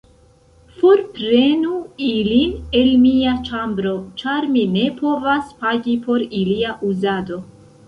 Forprenu ilin el mia ĉambro, ĉar mi ne povas pagi por ilia uzado.